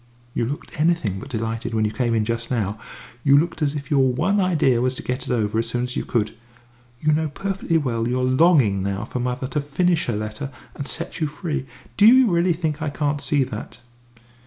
"You looked anything but delighted when you came in just now; you looked as if your one idea was to get it over as soon as you could. You know perfectly well you're longing now for mother to finish her letter and set you free. Do you really think I can't see that?"